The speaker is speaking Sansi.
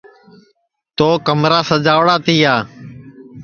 تو کمرا سجاوڑا تیا